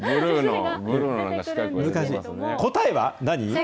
答えは何？